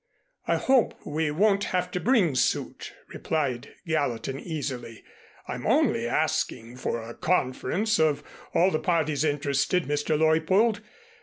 I hope we won't have to bring suit," replied Gallatin easily. "I'm only asking for a conference of all the parties interested, Mr. Leuppold.